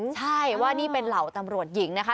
ใช่ว่านี่เป็นเหล่าตำรวจหญิงนะคะ